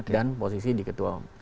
dan posisi di ketua umum